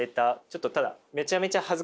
ちょっとただめちゃめちゃ恥ずかしい。